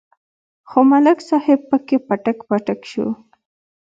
خو ملک صاحب پکې پټک پټک شو.